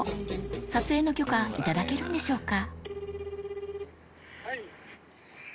撮影の許可頂けるんでしょうか？